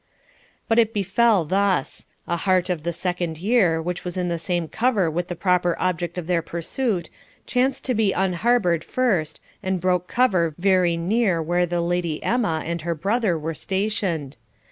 But it befell thus. A hart of the second year, which was in the same cover with the proper object of their pursuit, chanced to be unharboured first, and broke cover very near where the Lady Emma and her brother were stationed.